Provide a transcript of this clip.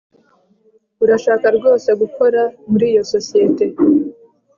Urashaka rwose gukora muri iyo sosiyete